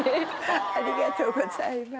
ありがとうございます！